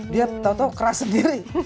dia tau tau keras sendiri